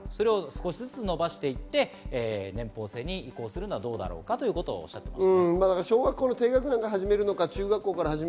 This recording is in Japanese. それを少しずつ延ばしていって年俸制に移行するのはどうだろうかということをおっしゃっていました。